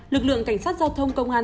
lực lượng cảnh sát giao thông công an